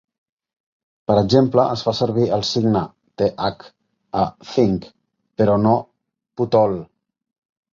Per exemple, es fa servir el signe "th" a "think", però no "pothole".